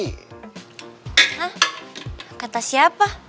hah kata siapa